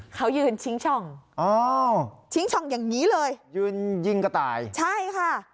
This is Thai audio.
เขายืนชิงช่องอ๋อชิงช่องอย่างนี้เลยยืนยิงกระต่ายใช่ค่ะ